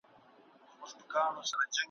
د نارنج د ګلو لاړ دي پر کاکل درته لیکمه ,